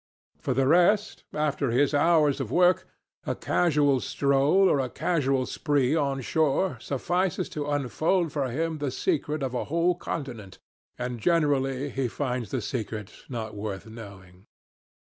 For the rest, after his hours of work, a casual stroll or a casual spree on shore suffices to unfold for him the secret of a whole continent, and generally he finds the secret not worth knowing.